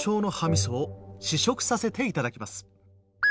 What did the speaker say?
みそを試食させていただきます。